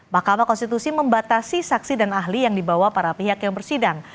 mahkamah konstitusi membatasi saksi dan ahli yang dibawa para pihak yang bersidang